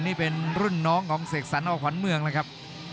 นี่เป็นรุ่นน้องของเสกสรรออกขวัญเมืองนะครับ